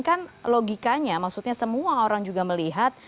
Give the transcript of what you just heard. kan logikanya maksudnya semua orang juga melihat